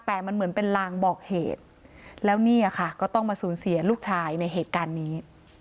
แต่มันเหมือนเป็นลางบอกเหตุแล้วเนี่ยค่ะก็ต้องมาสูญเสียลูกชายในเหตุการณ์นี้